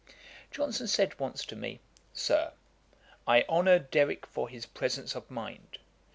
Johnson said once to me, 'Sir, I honour Derrick for his presence of mind.